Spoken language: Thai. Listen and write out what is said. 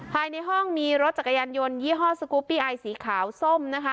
ภายในห้องมีรถจักรยานยนต์ยี่ห้อสกูปปี้ไอสีขาวส้มนะคะ